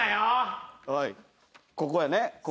ここやね。